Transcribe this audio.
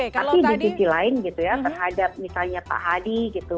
tapi di sisi lain gitu ya terhadap misalnya pak hadi gitu